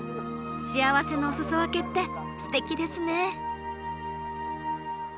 幸せのお裾分けってステキですね。